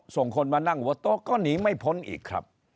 ส่งคนมานั่งหัวโต๊ะก็หนีไม่พ้นอีกครับ